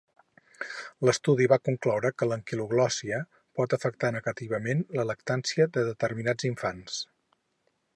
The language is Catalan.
L'estudi va concloure que l'anquiloglòssia pot afectar negativament la lactància de determinats infants.